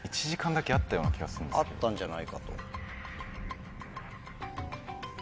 あったんじゃないかと。